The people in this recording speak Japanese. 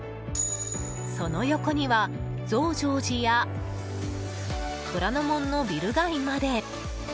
その横には増上寺や虎ノ門のビル街まで。